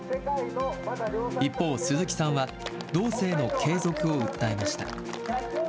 一方、鈴木さんは、道政の継続を訴えました。